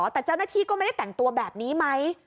แต่เจ้าหน้าที่ก็ไม่ได้แต่งตัวแบบนี้ไหม